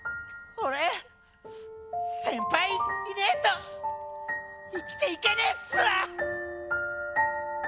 俺先輩いねえと生きていけねっす！